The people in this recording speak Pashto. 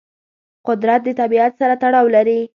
قدرت د طبیعت سره تړاو لري.